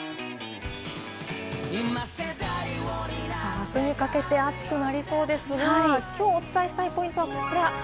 あすにかけて暑くなりそうですが、今日お伝えしたいポイントはこちら。